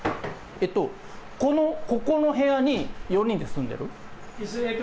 えっと、この、ここの部屋に４人で住んでる？